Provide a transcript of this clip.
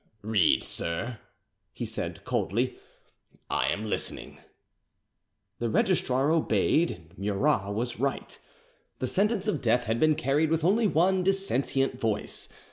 "Read, sir," he said coldly; "I am listening." The registrar obeyed. Murat was right. The sentence of death had been carried with only one dissentient voice.